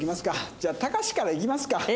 じゃあたかしからいきますか。